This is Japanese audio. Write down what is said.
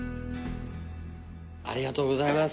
ありがとうございます。